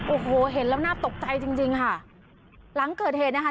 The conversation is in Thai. โอ้โหเห็นแล้วน่าตกใจจริงจริงค่ะหลังเกิดเหตุนะคะ